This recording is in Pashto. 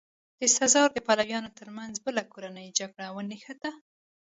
د سزار د پلویانو ترمنځ بله کورنۍ جګړه ونښته.